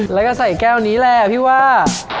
แล้วก็ใส่แก้วนี้แหละพี่ว่า